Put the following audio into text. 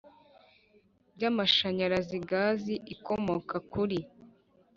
by amashanyarazi gazi ibikomoka kuri